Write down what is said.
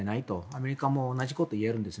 アメリカも同じことを言えるんです。